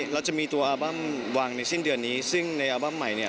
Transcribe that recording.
เราจะมีตัวอัลบั้มวางในสิ้นเดือนนี้ซึ่งในอัลบั้มใหม่เนี่ย